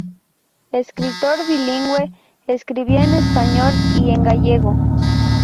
Escritor bilingüe, escribía en español y en gallego.